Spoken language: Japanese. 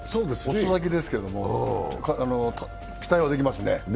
遅咲きですけど、期待はできますね